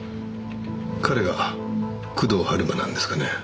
彼が工藤春馬なんですかね？